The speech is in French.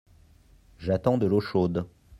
J’attends de l’eau chaude.